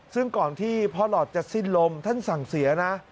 ซึ่งก่อนที่พ่อหลอดจะสิ้นลมท่านสั่งเสียนะ